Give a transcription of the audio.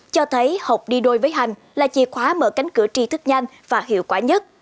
cho thấy học đi đôi với hành là chìa khóa mở cánh cửa tri thức nhanh và hiệu quả nhất